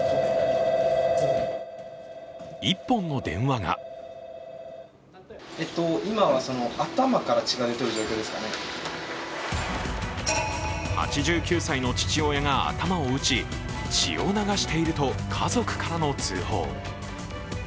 １本の電話が８９歳の父親が頭を打ち血を流していると家族からの通報。